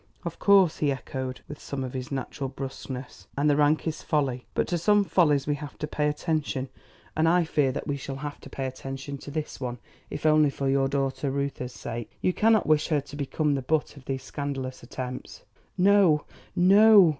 "Of course," he echoed, with some of his natural brusqueness, "and the rankest folly. But to some follies we have to pay attention, and I fear that we shall have to pay attention to this one if only for your daughter Reuther's sake. You cannot wish her to become the butt of these scandalous attempts?" "No, no."